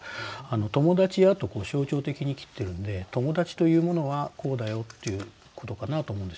「ともだちや」と象徴的に切ってるんで友達というものはこうだよっていうことかなと思うんですよね。